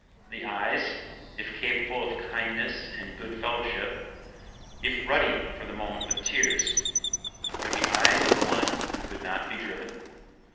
The eyes, if capable of kindness and goodfellowship, if ruddy for the moment with tears, were the eyes of one who could not be driven.